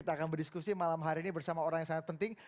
kita akan berdiskusi malam hari ini bersama orang yang sangat penting